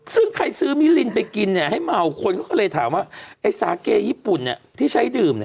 ซึ่งใครซื้อมิลินไปกินให้เมาคนเขาก็เลยถามว่าไอ้สาเกญี่ปุ่นที่ใช้ดื่ม